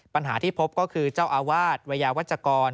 ปัญหาที่พบก็คือเจ้าอาวาสวัยยาวัชกร